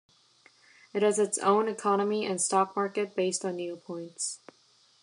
It has its own economy and stock market based on Neopoints.